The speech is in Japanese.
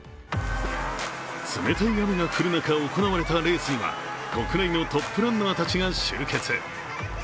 冷たい雨が降る中行われたレースには国内のトップランナーたちが集結。